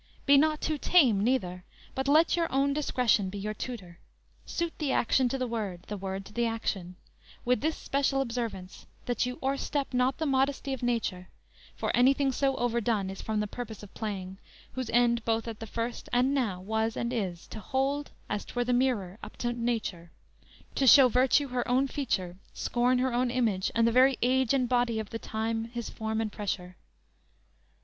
Be not too tame neither, but let your own Discretion be your tutor: suit the action To the word, the word to the action; With this special observance, that you o'erstep Not the modesty of nature; for anything So overdone is from the purpose of playing, Whose end, both at the first and now, was and is, To hold, as 'twere, the mirror up to nature; To show virtue her own feature, scorn her Own image, and the very age and body Of the time his form and pressure.